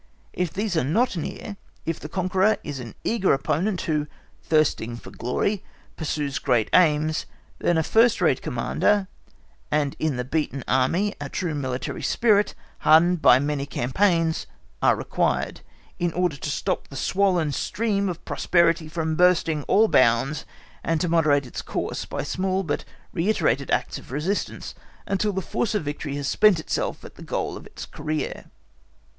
If these are not near, if the conqueror is an eager opponent, who, thirsting for glory, pursues great aims, then a first rate Commander, and in the beaten Army a true military spirit, hardened by many campaigns are required, in order to stop the swollen stream of prosperity from bursting all bounds, and to moderate its course by small but reiterated acts of resistance, until the force of victory has spent itself at the goal of its career.